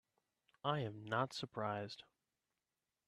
I am not surprised.